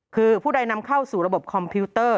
คือผู้ใดนำเข้าสู่ระบบคอมพิวเตอร์